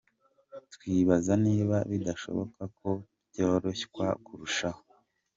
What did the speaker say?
Twibaza niba bidashoboka ko byoroshywa kurushaho.